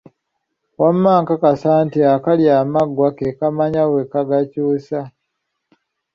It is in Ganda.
Wamma nakakasa nti akalya amaggwa, ke kamanya bwe kagakyusa.